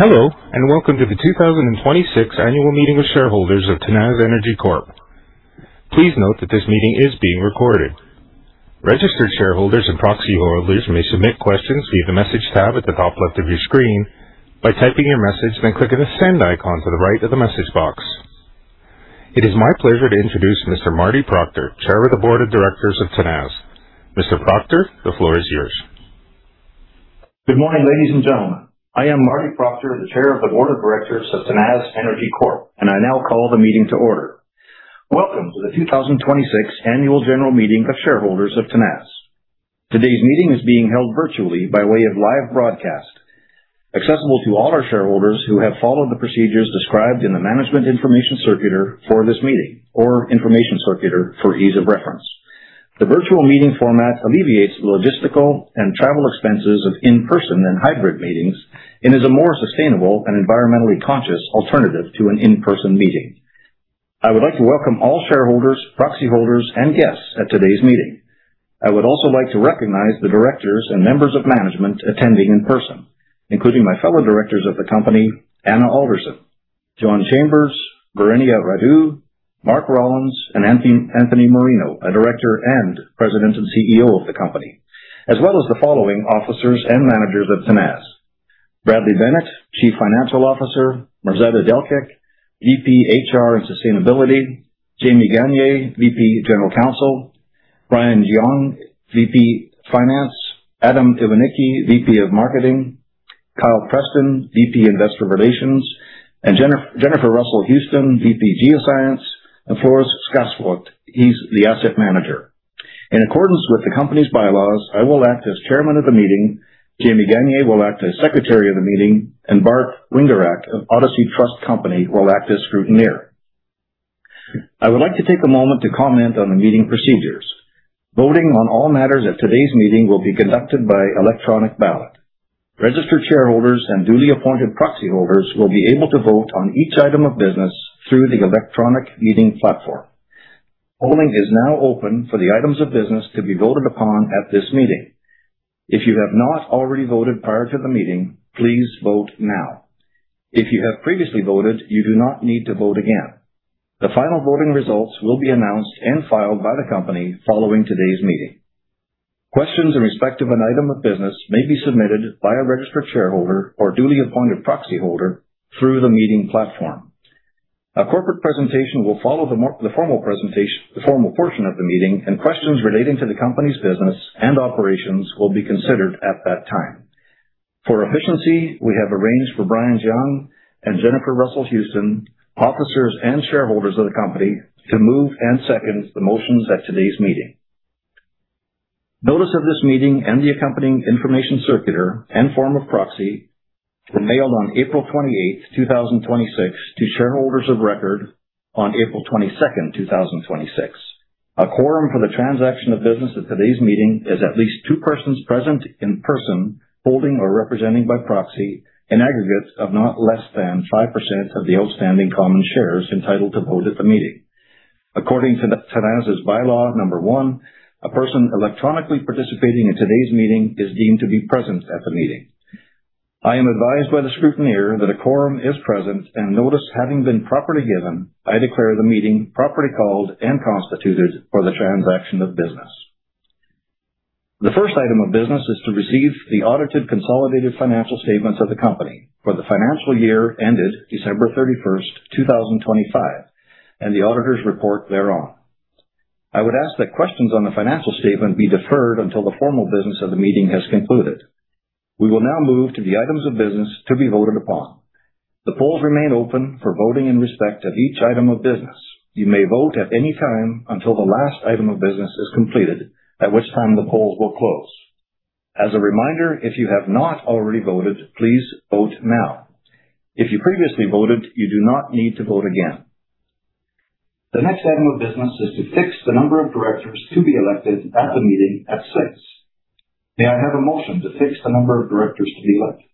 Hello, and welcome to the 2026 Annual Meeting of Shareholders of Tenaz Energy Corp. Please note that this meeting is being recorded. Registered shareholders and proxy holders may submit questions via the Message tab at the top left of your screen by typing your message, then clicking the Send icon to the right of the message box. It is my pleasure to introduce Mr. Marty Proctor, Chair of the Board of Directors of Tenaz. Mr. Proctor, the floor is yours. Good morning, ladies and gentlemen. I am Marty Proctor, the Chair of the Board of Directors of Tenaz Energy Corp, and I now call the meeting to order. Welcome to the 2026 Annual General Meeting of Shareholders of Tenaz. Today's meeting is being held virtually by way of live broadcast, accessible to all our shareholders who have followed the procedures described in the Management Information Circular for this meeting, or Information Circular for ease of reference. The virtual meeting format alleviates the logistical and travel expenses of in-person and hybrid meetings and is a more sustainable and environmentally conscious alternative to an in-person meeting. I would like to welcome all shareholders, proxy holders, and guests at today's meeting. I would also like to recognize the directors and members of management attending in person, including my fellow directors of the company, Anna Alderson, John Chambers, Varinia Radu, Mark Rollins, and Anthony Marino, a director and President and CEO of the company. The following officers and managers of Tenaz Energy, Bradley Bennett, Chief Financial Officer, Mirzeta Delkic, VP HR and Sustainability, Jamie Gagner, VP General Counsel, Brian Giang, VP Finance, Adam Iwanicki, VP of Marketing, Kyle Preston, VP Investor Relations, and Jennifer Russel-Houston, VP Geoscience, and Floris Sasvoort, he's the Asset Manager. In accordance with the company's bylaws, I will act as Chairman of the Meeting, Jamie Gagner will act as Secretary of the Meeting, and Bart Winderach of Odyssey Trust Company will act as Scrutineer. I would like to take a moment to comment on the meeting procedures. Voting on all matters at today's meeting will be conducted by electronic ballot. Registered shareholders and duly appointed proxy holders will be able to vote on each item of business through the electronic meeting platform. Polling is now open for the items of business to be voted upon at this meeting. If you have not already voted prior to the meeting, please vote now. If you have previously voted, you do not need to vote again. The final voting results will be announced and filed by the company following today's meeting. Questions in respect of an item of business may be submitted by a registered shareholder or duly appointed proxy holder through the meeting platform. A corporate presentation will follow the formal portion of the meeting, and questions relating to the company's business and operations will be considered at that time. For efficiency, we have arranged for Brian Giang and Jennifer Russel-Houston, officers and shareholders of the company, to move and second the motions at today's meeting. Notice of this meeting and the accompanying information circular and form of proxy were mailed on April 28, 2026, to shareholders of record on April 22, 2026. A quorum for the transaction of business at today's meeting is at least two persons present in person, holding or representing by proxy, in aggregates of not less than 5% of the outstanding common shares entitled to vote at the meeting. According to Tenaz's bylaw number 1, a person electronically participating in today's meeting is deemed to be present at the meeting. I am advised by the scrutineer that a quorum is present and notice having been properly given, I declare the meeting properly called and constituted for the transaction of business. The first item of business is to receive the audited consolidated financial statements of the company for the financial year ended December 31st, 2025, and the auditor's report thereon. I would ask that questions on the financial statement be deferred until the formal business of the meeting has concluded. We will now move to the items of business to be voted upon. The polls remain open for voting in respect of each item of business. You may vote at any time until the last item of business is completed, at which time the polls will close. As a reminder, if you have not already voted, please vote now. If you previously voted, you do not need to vote again. The next item of business is to fix the number of directors to be elected at the meeting at six. May I have a motion to fix the number of directors to be elected?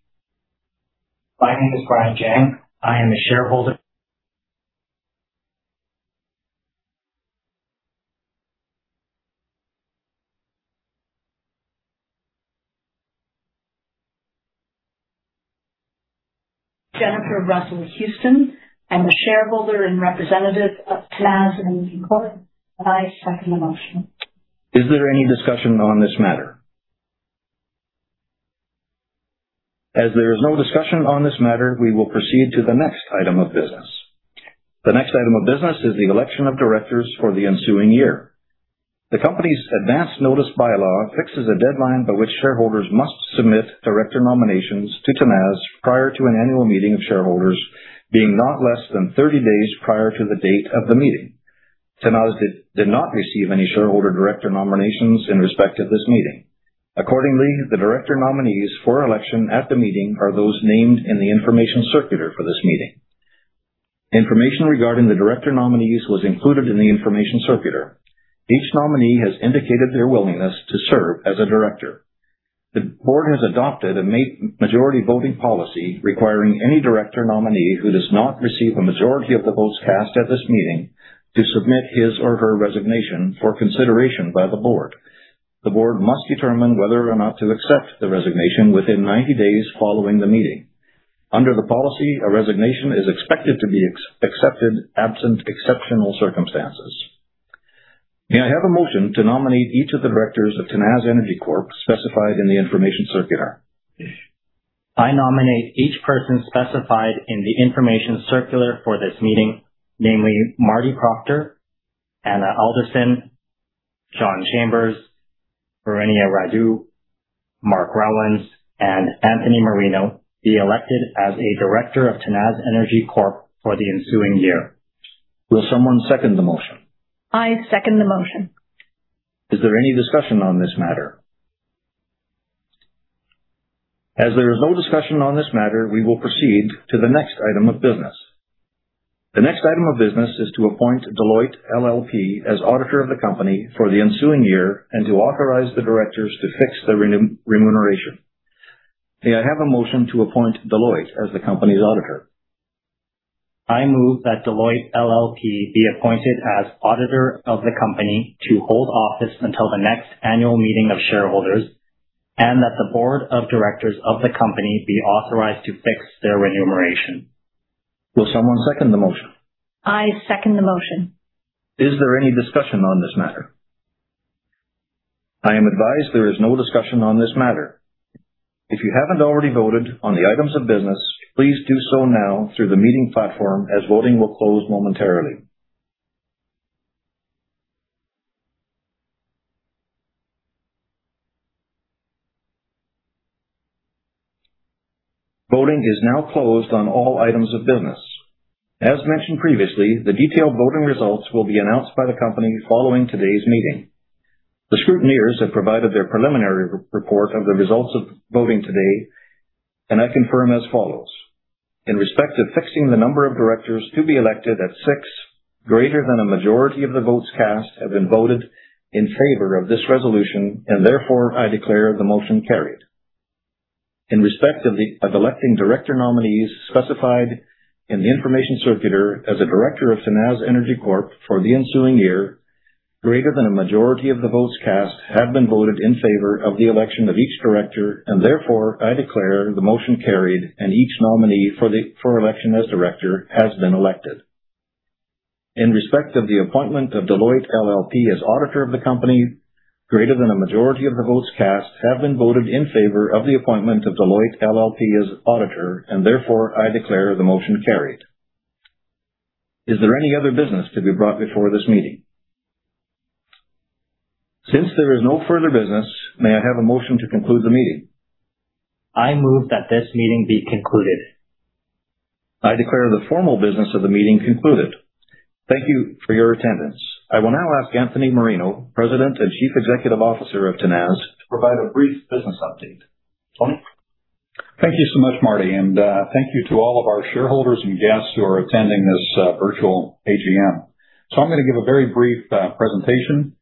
My name is Brian Giang. I am a shareholder. Jennifer Russel-Houston. I'm a shareholder and representative of Tenaz Energy Corp. I second the motion. Is there any discussion on this matter? As there is no discussion on this matter, we will proceed to the next item of business. The next item of business is the election of directors for the ensuing year. The company's advance notice bylaw fixes a deadline by which shareholders must submit director nominations to Tenaz prior to an annual meeting of shareholders being not less than 30 days prior to the date of the meeting. Tenaz did not receive any shareholder director nominations in respect of this meeting. Accordingly, the director nominees for election at the meeting are those named in the information circular for this meeting. Information regarding the director nominees was included in the information circular. Each nominee has indicated their willingness to serve as a director. The board has adopted a majority voting policy requiring any director nominee who does not receive a majority of the votes cast at this meeting to submit his or her resignation for consideration by the board. The board must determine whether or not to accept the resignation within 90 days following the meeting. Under the policy, a resignation is expected to be accepted absent exceptional circumstances. May I have a motion to nominate each of the directors of Tenaz Energy Corp. specified in the information circular? I nominate each person specified in the information circular for this meeting, namely Marty Proctor, Anna Alderson, John Chambers, Varinia Radu, Mark Rollins, and Anthony Marino, be elected as a director of Tenaz Energy Corp for the ensuing year. Will someone second the motion? I second the motion. Is there any discussion on this matter? As there is no discussion on this matter, we will proceed to the next item of business. The next item of business is to appoint Deloitte LLP as auditor of the company for the ensuing year and to authorize the directors to fix the remuneration. May I have a motion to appoint Deloitte as the company's auditor. I move that Deloitte LLP be appointed as auditor of the company to hold office until the next annual meeting of shareholders, and that the board of directors of the company be authorized to fix their remuneration. Will someone second the motion? I second the motion. Is there any discussion on this matter? I am advised there is no discussion on this matter. If you haven't already voted on the items of business, please do so now through the meeting platform, as voting will close momentarily. Voting is now closed on all items of business. As mentioned previously, the detailed voting results will be announced by the company following today's meeting. The scrutineers have provided their preliminary report of the results of voting today, and I confirm as follows. In respect of fixing the number of directors to be elected at six, greater than a majority of the votes cast have been voted in favor of this resolution, and therefore, I declare the motion carried. In respect of electing director nominees specified in the information circular as a director of Tenaz Energy Corp for the ensuing year, greater than a majority of the votes cast have been voted in favor of the election of each director and therefore, I declare the motion carried and each nominee for election as director has been elected. In respect of the appointment of Deloitte LLP as auditor of the company, greater than a majority of the votes cast have been voted in favor of the appointment of Deloitte LLP as auditor, and therefore I declare the motion carried. Is there any other business to be brought before this meeting? Since there is no further business, may I have a motion to conclude the meeting? I move that this meeting be concluded. I declare the formal business of the meeting concluded. Thank you for your attendance. I will now ask Anthony Marino, President and Chief Executive Officer of Tenaz, to provide a brief business update. Tony? Thank you so much, Marty, and, thank you to all of our shareholders and guests who are attending this virtual AGM. I'm going to give a very brief presentation.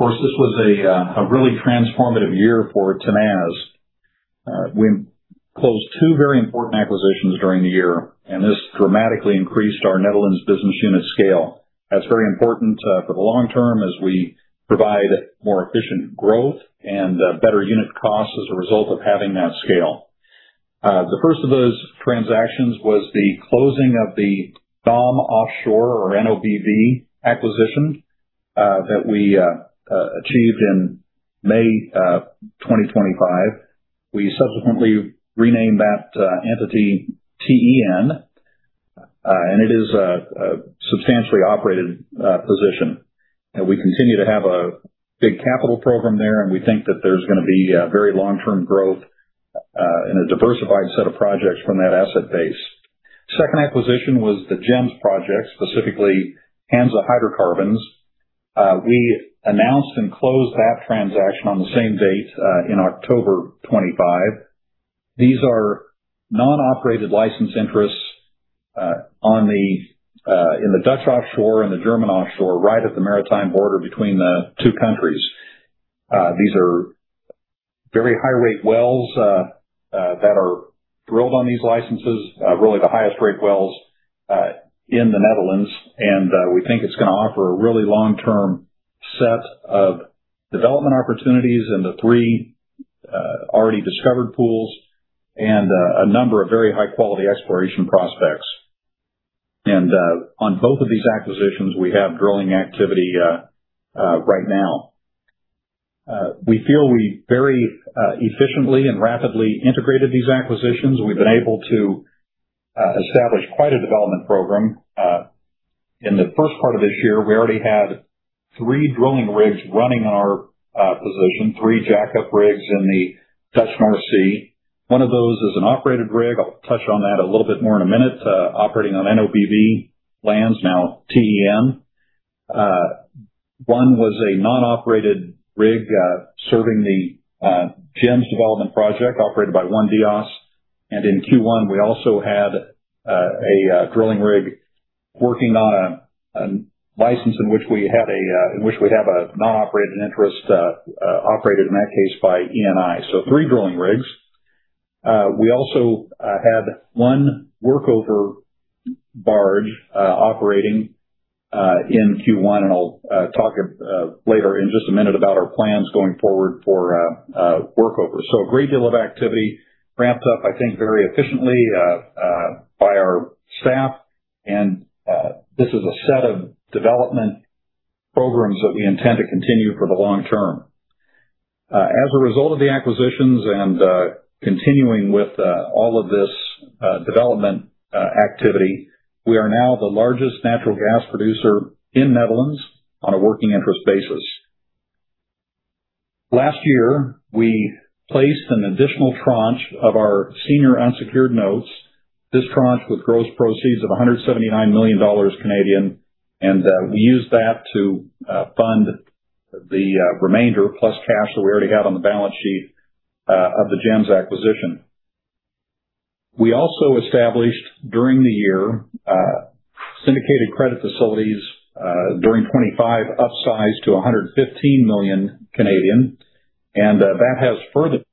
25. Of course, this was a really transformative year for Tenaz. We closed two very important acquisitions during the year, and this dramatically increased our Netherlands business unit scale. That's very important for the long term as we provide more efficient growth and better unit costs as a result of having that scale. The first of those transactions was the closing of the NAM Offshore or NOBV acquisition, that we achieved in May 2025. We subsequently renamed that entity TEN, and it is a substantially operated position. We continue to have a big capital program there, and we think that there's going to be very long-term growth in a diversified set of projects from that asset base. Second acquisition was the GEMS project, specifically Hansa Hydrocarbons. We announced and closed that transaction on the same date, in October 2025. These are non-operated license interests in the Dutch offshore and the German offshore, right at the maritime border between the two countries. These are very high rate wells that are drilled on these licenses. Really the highest rate wells in the Netherlands. We think it's going to offer a really long-term set of development opportunities in the three already discovered pools and a number of very high-quality exploration prospects. On both of these acquisitions, we have drilling activity right now. We feel we very efficiently and rapidly integrated these acquisitions. We've been able to establish quite a development program. In the first part of this year, we already had three drilling rigs running in our position, three jack-up rigs in the Dutch North Sea. One of those is an operated rig. I'll touch on that a little bit more in a minute. Operating on NOBV lands, now TEN. One was a non-operated rig serving the GEMS development project operated by ONE-Dyas. In Q1, we also had a drilling rig working on a license in which we have a non-operated interest, operated in that case by Eni. Three drilling rigs. We also had one workover barge operating in Q1, and I'll talk later in just a minute about our plans going forward for workovers. A great deal of activity ramped up, I think, very efficiently by our staff. This is a set of development programs that we intend to continue for the long term. As a result of the acquisitions and continuing with all of this development activity, we are now the largest natural gas producer in Netherlands on a working interest basis. Last year, we placed an additional tranche of our senior unsecured notes. This tranche with gross proceeds of 179 million Canadian dollars, and we used that to fund the remainder plus cash that we already had on the balance sheet of the GEMS acquisition. We also established during the year syndicated credit facilities during 2025 upsized to CAD 115 million. We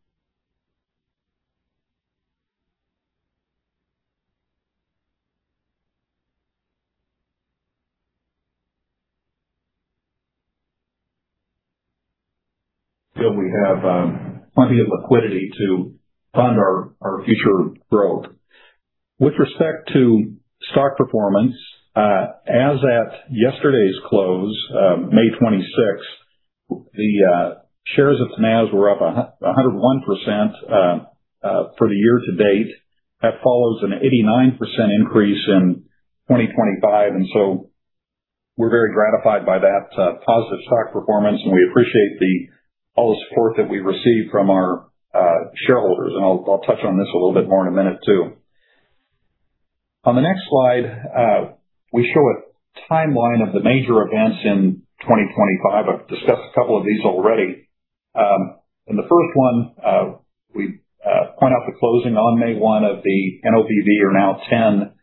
have plenty of liquidity to fund our future growth. With respect to stock performance, as at yesterday's close, May 26th, the shares of Tenaz were up 101% for the year to date. That follows an 89% increase in 2025, and so we're very gratified by that positive stock performance, and we appreciate all the support that we received from our shareholders. I'll touch on this a little bit more in a minute, too. On the next slide, we show a timeline of the major events in 2025. I've discussed a couple of these already. In the first one, we point out the closing on May 1 of the NOBV or now TEN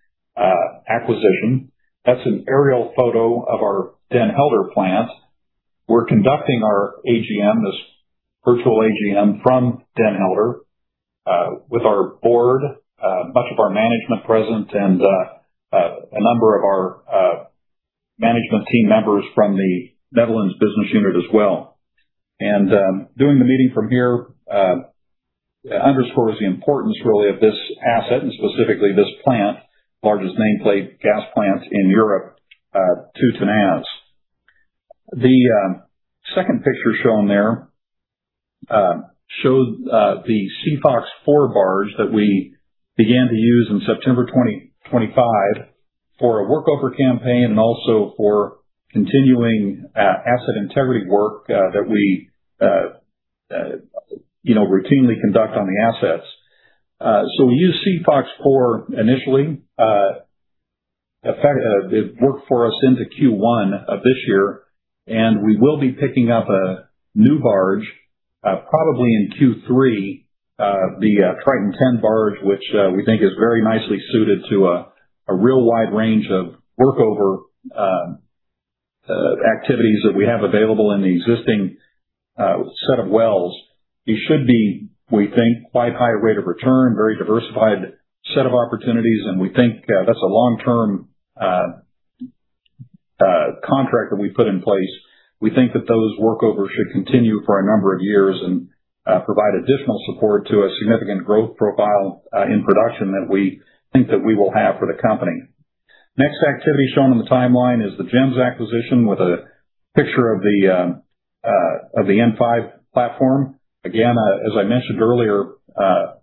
acquisition. That's an aerial photo of our Den Helder plant. We're conducting our AGM, this virtual AGM, from Den Helder, with our board, much of our management present, and a number of our management team members from the Netherlands business unit as well. Doing the meeting from here underscores the importance really of this asset and specifically this plant, largest nameplate gas plant in Europe, to Tenaz. The second picture shown there shows the Seafox IV barge that we began to use in September 2025 for a workover campaign and also for continuing asset integrity work that we routinely conduct on the assets. We used Seafox IV initially. It worked for us into Q1 of this year, and we will be picking up a new barge, probably in Q3, the Triton X barge, which we think is very nicely suited to a real wide range of workover activities that we have available in the existing set of wells. These should be, we think, quite high rate of return, very diversified set of opportunities, and we think that's a long-term contract that we put in place. We think that those workovers should continue for a number of years and provide additional support to a significant growth profile in production that we think that we will have for the company. Next activity shown in the timeline is the GEMS acquisition with a picture of the N5 platform. Again, as I mentioned earlier,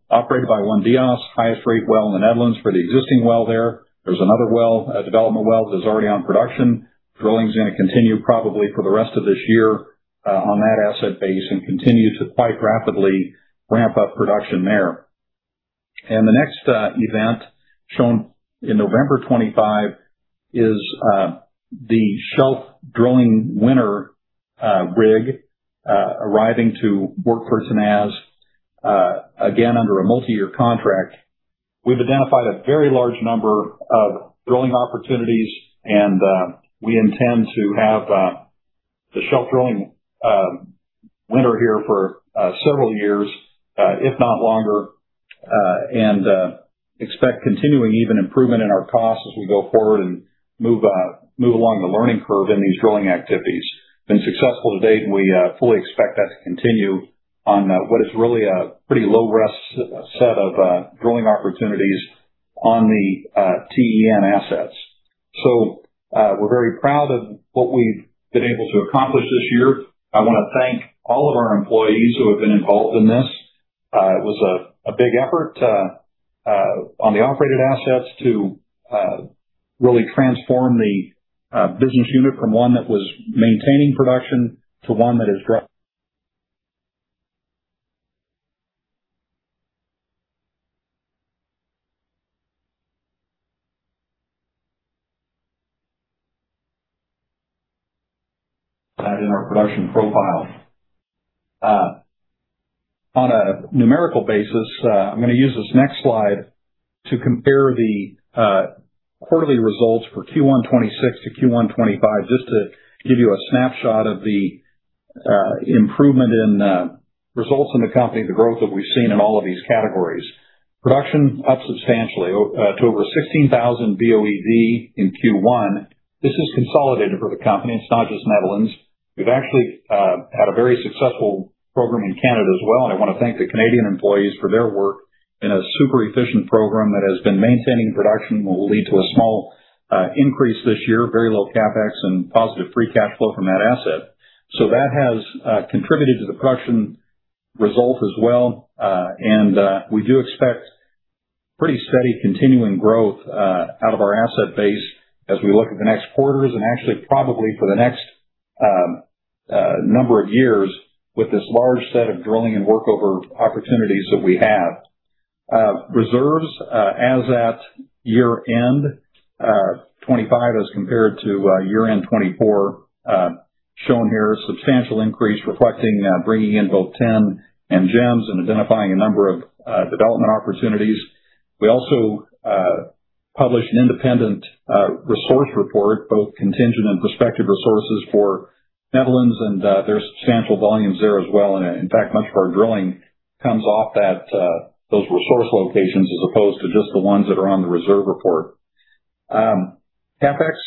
operated by ONE-Dyas, highest rate well in the Netherlands for the existing well there. There's another development well that's already on production. Drilling is going to continue probably for the rest of this year on that asset base and continue to quite rapidly ramp up production there. The next event shown in November 2025 is the Shelf Drilling Winner rig arriving to work for Tenaz, again, under a multi-year contract. We've identified a very large number of drilling opportunities, and we intend to have the Shelf Drilling Winner here for several years, if not longer, and expect continuing even improvement in our costs as we go forward and move along the learning curve in these drilling activities. We've been successful to date, and we fully expect that to continue on what is really a pretty low-risk set of drilling opportunities on the TEN assets. We're very proud of what we've been able to accomplish this year. I want to thank all of our employees who have been involved in this. It was a big effort on the operated assets to really transform the business unit from one that was maintaining production to one that is growing in our production profile. On a numerical basis, I'm going to use this next slide to compare the quarterly results for Q1 2026 to Q1 2025, just to give you a snapshot of the improvement in the results in the company, the growth that we've seen in all of these categories. Production up substantially to over 16,000 BOED in Q1. This is consolidated for the company. It's not just Netherlands. We've actually had a very successful program in Canada as well. I want to thank the Canadian employees for their work in a super efficient program that has been maintaining production and will lead to a small increase this year, very low CapEx and positive free cash flow from that asset. That has contributed to the production result as well. We do expect pretty steady continuing growth out of our asset base as we look at the next quarters and actually probably for the next number of years with this large set of drilling and workover opportunities that we have. Reserves as at year-end 2025 as compared to year-end 2024, shown here, a substantial increase reflecting bringing in both TEN and GEMS and identifying a number of development opportunities. We also published an independent resource report, both contingent and prospective resources for Netherlands and there's substantial volumes there as well. In fact, much of our drilling comes off those resource locations as opposed to just the ones that are on the reserve report. CapEx,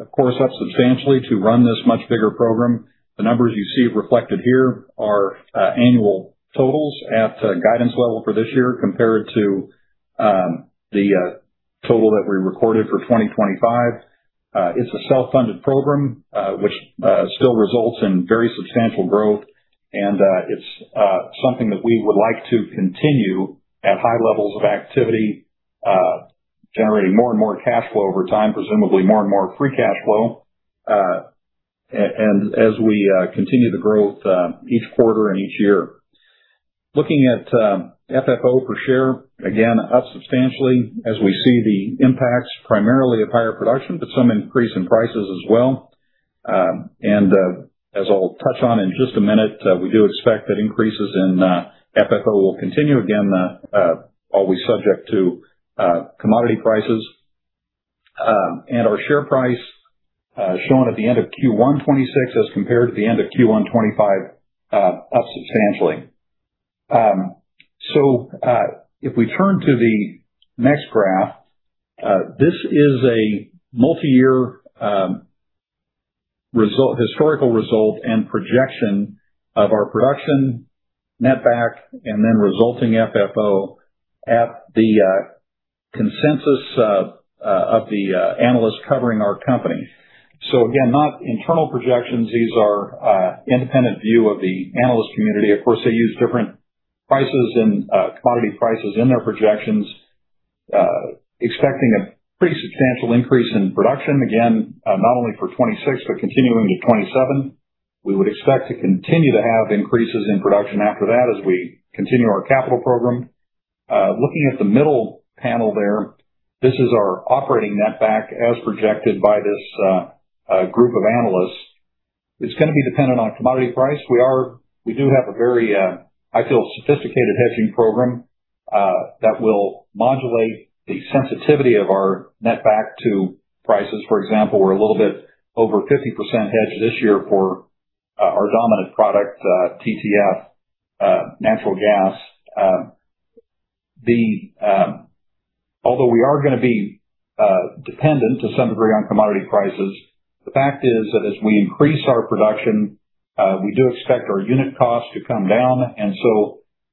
of course, up substantially to run this much bigger program. The numbers you see reflected here are annual totals at guidance level for this year compared to the total that we recorded for 2025. It's a self-funded program, which still results in very substantial growth. It's something that we would like to continue at high levels of activity generating more and more cash flow over time, presumably more and more free cash flow, as we continue to growth each quarter and each year. Looking at FFO per share, again, up substantially as we see the impacts primarily of higher production, but some increase in prices as well. As I'll touch on in just a minute, we do expect that increases in FFO will continue again, always subject to commodity prices. Our share price, shown at the end of Q1 2026 as compared to the end of Q1 2025, up substantially. If we turn to the next graph, this is a multi-year historical result and projection of our production netback and then resulting FFO at the consensus of the analysts covering our company. Again, not internal projections. These are independent view of the analyst community. Of course, they use different commodity prices in their projections, expecting a pretty substantial increase in production, again, not only for 2026, but continuing to 2027. We would expect to continue to have increases in production after that as we continue our capital program. Looking at the middle panel there, this is our operating netback as projected by this group of analysts. It's going to be dependent on commodity price. We do have a very, I feel, sophisticated hedging program that will modulate the sensitivity of our netback to prices. For example, we're a little bit over 50% hedged this year for our dominant product, TTF natural gas. We are going to be dependent to some degree on commodity prices, the fact is that as we increase our production, we do expect our unit cost to come down.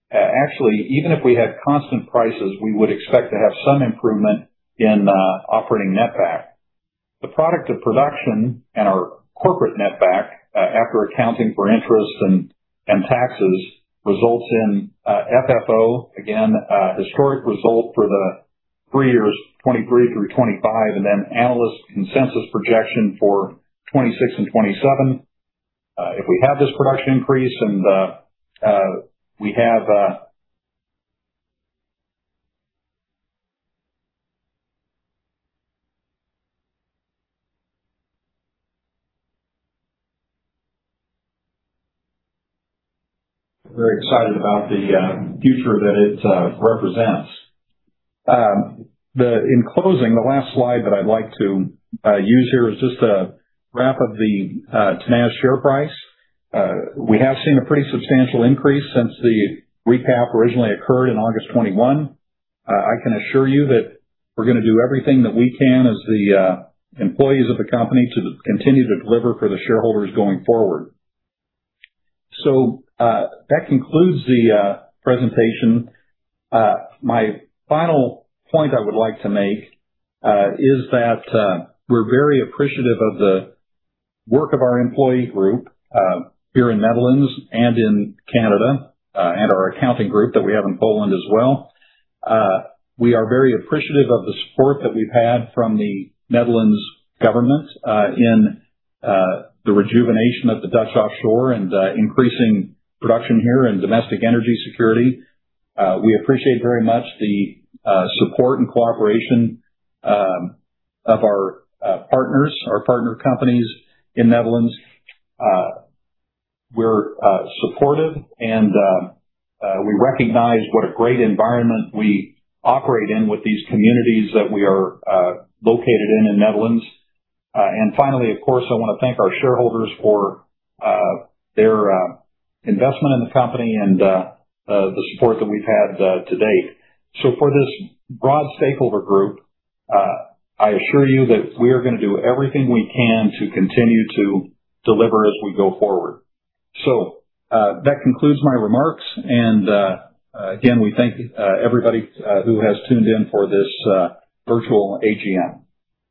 Actually, even if we had constant prices, we would expect to have some improvement in operating netback. The product of production and our corporate netback after accounting for interest and taxes results in FFO, again, a historic result for the three years 2023 through 2025. Analyst consensus projection for 2026 and 2027. If we have this production increase, we're very excited about the future that it represents. In closing, the last slide that I'd like to use here is just a wrap of the Tenaz share price. We have seen a pretty substantial increase since the recap originally occurred in August 2021. I can assure you that we're going to do everything that we can as the employees of the company to continue to deliver for the shareholders going forward. That concludes the presentation. My final point I would like to make is that we're very appreciative of the work of our employee group here in Netherlands and in Canada and our accounting group that we have in Poland as well. We are very appreciative of the support that we've had from the Netherlands government in the rejuvenation of the Dutch offshore and increasing production here in domestic energy security. We appreciate very much the support and cooperation of our partners, our partner companies in Netherlands. We're supportive and we recognize what a great environment we operate in with these communities that we are located in in Netherlands. Finally, of course, I want to thank our shareholders for their investment in the company and the support that we've had to date. For this broad stakeholder group, I assure you that we are going to do everything we can to continue to deliver as we go forward. That concludes my remarks. Again, we thank everybody who has tuned in for this virtual AGM.